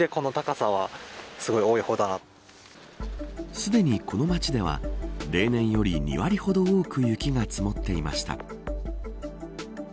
すでにこの町では例年より２割ほど多く雪が積もっていました。